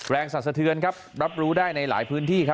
แรงสันสเทือนครับรับรู้ได้ในหลายพื้นที่